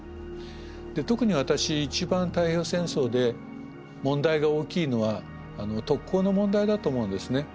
特に私一番太平洋戦争で問題が大きいのは特攻の問題だと思うんですね。